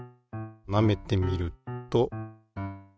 なめてみると。